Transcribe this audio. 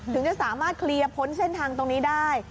ถึงจะสามารถเคลียร์พ้นเส้นทางตรงนี้ได้